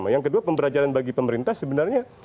yang kedua pembelajaran bagi pemerintah sebenarnya